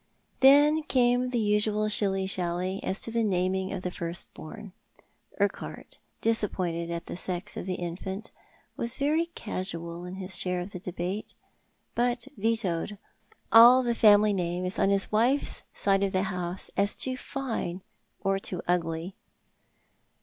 Then came the usual shilly shally as to the naming of the firstborn. Urquhart, disappointed at the sex of the infant, was very casual in his share of the debate, but vetoed all the family names on his wife's side of the house as too fine or too ugly.